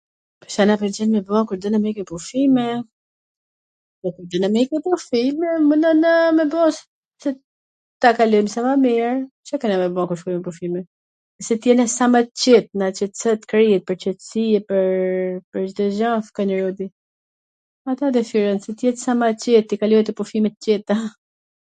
Ca na pwlqen me ba kur dona me ik me pushime? Dona me ik me pushime dhe me na na me bo si ta kalojm sa ma mir, e, Ca kena me ba kur shkojm me pushime? Si t jena sa ma t qet, na qetson kryet pwr qetsi e pwr pwr Cdo gja qw ka nevoj robi, ata dwshiron, qw tw jet sa ma qet, t i kaloj pushime t qeta ...